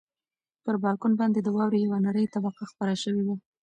پر بالکن باندې د واورې یوه نری طبقه خپره شوې وه.